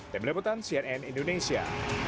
demi leputan cnn indonesia